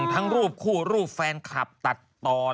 ทั้งรูปคู่รูปแฟนคลับตัดตอน